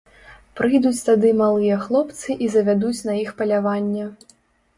Прыйдуць тады малыя хлопцы і завядуць на іх паляванне.